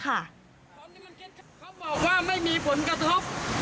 เขาบอกว่าไม่มีผลกระทบ